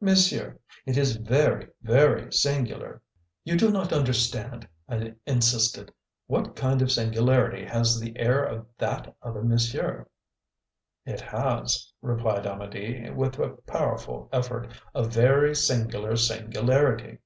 "Monsieur, it is very, very singular." "You do not understand," I insisted. "What kind of singularity has the air of 'that other monsieur'?" "It has," replied Amedee, with a powerful effort, "a very singular singularity."